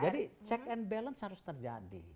jadi check and balance harus terjadi